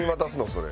それ。